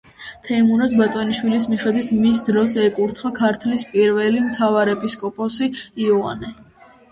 თეიმურაზ ბატონიშვილის მიხედვით მის დროს ეკურთხა ქართლის პირველი მთავარეპისკოპოსი იოანე.